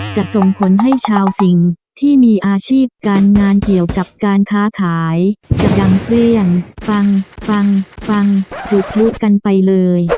ส่งผลให้ชาวสิงที่มีอาชีพการงานเกี่ยวกับการค้าขายจะดังเปรี้ยงฟังฟังฟังจุดพลุกันไปเลย